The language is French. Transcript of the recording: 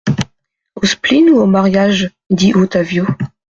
Au spleen ou au mariage ? dit Ottavio.